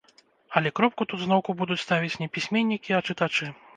Але кропку тут зноўку будуць ставіць не пісьменнікі, а чытачы.